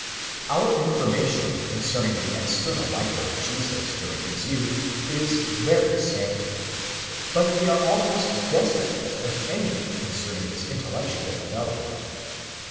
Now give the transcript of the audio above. Our information concerning the external life of Jesus during his youth is very scanty : but we are almost destitute of any concerning his intellectual development.